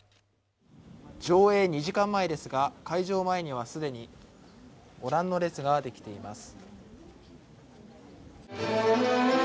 上映２時間前ですが、会場前には既に御覧の列ができています。